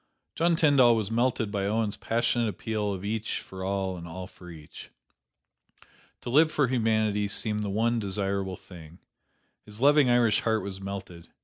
John Tyndall was melted by Owen's passionate appeal of each for all and all for each. To live for humanity seemed the one desirable thing. His loving Irish heart was melted.